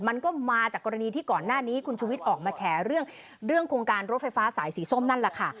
มันก็มาจากกรณีที่ก่อนหน้านี้คุณชุวิตออกมาแฉเรื่องโครงการรถไฟฟ้าสายสีส้มนั่นแหละค่ะ